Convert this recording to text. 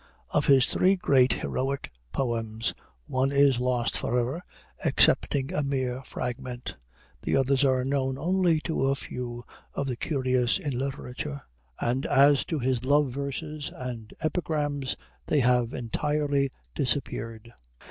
Of his three great heroic poems one is lost forever, excepting a mere fragment; the others are known only to a few of the curious in literature; and as to his love verses and epigrams, they have entirely disappeared.